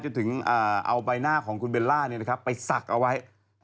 ถึงเอาใบหน้าของคุณเบลล่าไปศักดิ์เอาไว้